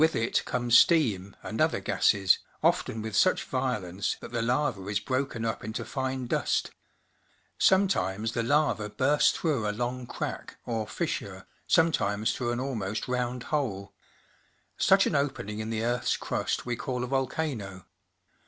With it come steam and other gases, often with such \'iolence that the lava is broken up into fine dust. Sometimes the lava bursts through a long crack, or fissure, sometimes tlu ough an almost round hole. Such an opening in the earth's crust we call a volcano.